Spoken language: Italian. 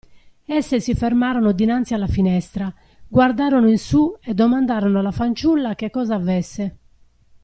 Esse si fermarono dinanzi alla finestra, guardarono in su e domandarono alla fanciulla che cosa avesse.